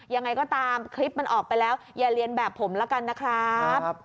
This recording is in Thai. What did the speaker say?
ยังไงก็ตามคลิปมันออกไปแล้วอย่าเรียนแบบผมแล้วกันนะครับ